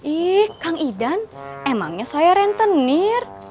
ih kang idan emangnya saya rentenir